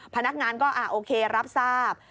พนักงานก็โอเครับทราบ